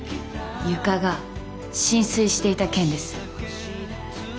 床が浸水していた件です。